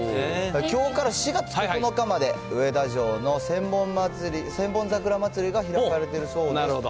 きょうから４月９日まで、上田城の千本桜まつりが開かれているそうです。